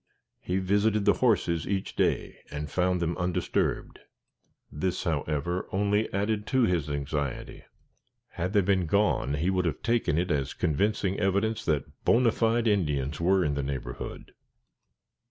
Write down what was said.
He visited the horses each day, and found them undisturbed. This, however, only added to his anxiety. Had they been gone he would have taken it as convincing evidence that bona fide Indians were in the neighborhood.